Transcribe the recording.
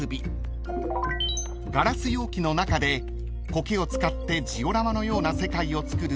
［ガラス容器の中で苔を使ってジオラマのような世界をつくる］